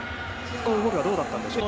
この動きはどうだったでしょうか。